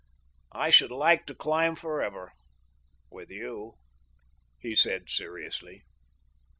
"I should like to climb forever—with you," he said seriously.